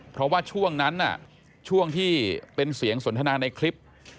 เพราะว่าช่วงนั้นช่วงที่เป็นเสียงสนทนาในคลิป